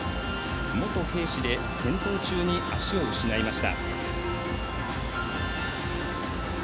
元兵士で戦闘中に足を失いました。